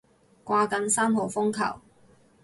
掛緊三號風球